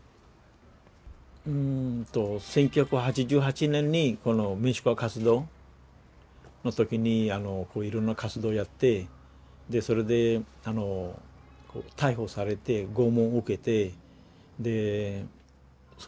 うんと１９８８年にこの民主化活動の時にいろんな活動をやってでそれで逮捕されて拷問を受けてです